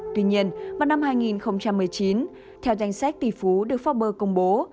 tuy nhiên vào năm hai nghìn một mươi chín theo danh sách tỷ phú được forbes công bố